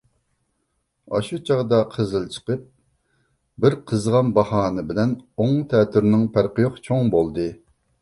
ئاشۇ چاغدا قىزىل چىقىپ، بىر قىزىغان باھانە بىلەن ئوڭ-تەتۈرىنىڭ پەرقى يوق چوڭ بولدى.